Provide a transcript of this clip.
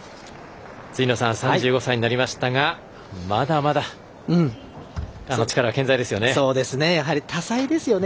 ３５歳になりましたがまだまだ力が健在ですよね。